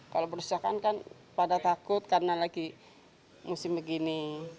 kalau perusahaan kan pada takut karena lagi musim begini